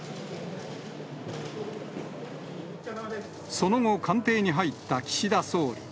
その後、官邸に入った岸田総理。